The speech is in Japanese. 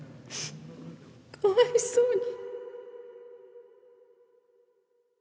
かわいそうに。